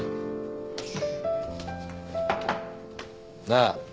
なあ？